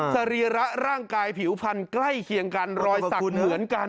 สรีระร่างกายผิวพันธุ์ใกล้เคียงกันรอยสักเหมือนกัน